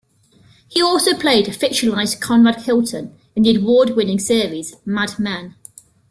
He also played a fictionalized Conrad Hilton in the award-winning series "Mad Men".